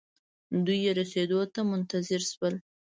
دوئ يې رسېدو ته منتظر شول.